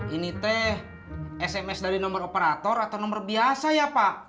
ini teh sms dari nomor operator atau nomor biasa ya pak